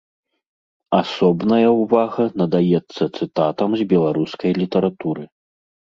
Асобная ўвага надаецца цытатам з беларускай літаратуры.